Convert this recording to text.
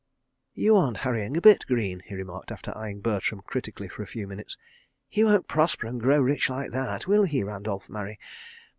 "You aren't hurrying a bit, Greene," he remarked, after eyeing Bertram critically for a few minutes. "He won't prosper and grow rich like that, will he, Randolph Murray?